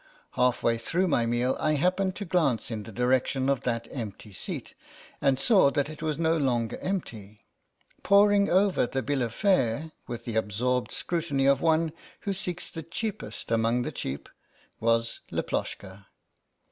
Half way through my meal I happened to THE SOUL OF I^PLOSHKA 71 glance in the direction of that empty seat, and saw that it was no longer empty. Poring over the bill of fare with the absorbed scrutiny of one who seeks the cheapest among the cheap was Laploshka.